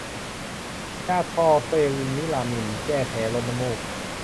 ยาคลอร์เฟนิรามีน แก้แพ้ ลดน้ำมูก